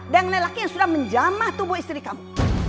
dan dengan lelaki yang sudah menjamah tubuh istri kamu